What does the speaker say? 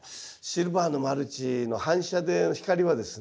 シルバーのマルチの反射で光はですね